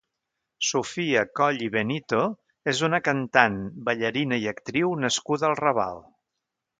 Sofia Coll i Benito és una cantant, ballarina i actriu nascuda al Raval.